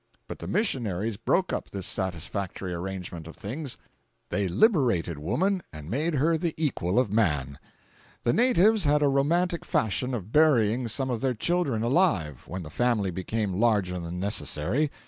But the missionaries broke up this satisfactory arrangement of things. They liberated woman and made her the equal of man. The natives had a romantic fashion of burying some of their children alive when the family became larger than necessary.